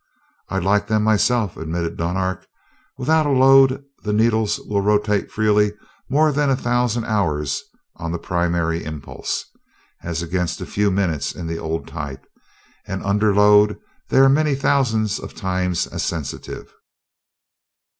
"I like them myself," admitted Dunark. "Without a load the needles will rotate freely more than a thousand hours on the primary impulse, as against a few minutes in the old type; and under load they are many thousands of times as sensitive."